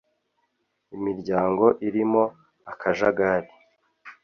imiryango irimo akajagari